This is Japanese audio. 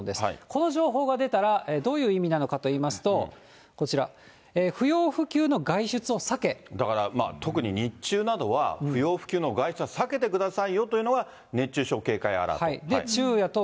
この情報が出たら、どういう意味なのかといいますと、こちら、だからまあ、特に日中などは、不要不急の外出は避けてくださいよというのが、熱中症警戒アラート。